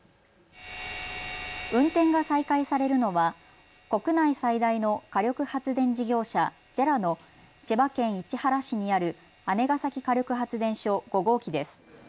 運転が再開されるのは国内最大の火力発電事業者、ＪＥＲＡの千葉県市原市にある姉崎火力発電所５号機です。